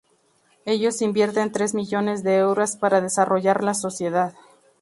Ellos invierten tres millones de euros para desarrollar la sociedad.